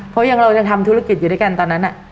เพราะเรายังทำธุรกิจอยู่ด้วยกันตอนนั้น